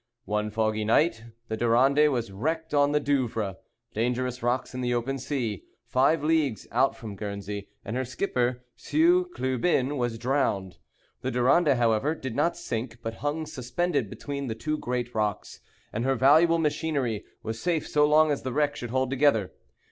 One foggy night the Durande was wrecked on the Douvres, dangerous rocks in the open sea, five leagues out from Guernsey, and her skipper, Sieux Clubin was drowned. The Durande, however, did not sink, but hung suspended between the two great rocks; and her valuable machinery was safe so long as the wreck should hold together.